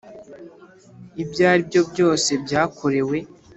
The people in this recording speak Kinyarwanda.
ibyo aribyo byose byakorewe